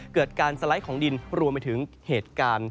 เกิดการสไลด์ของดินรวมไปถึงเหตุการณ์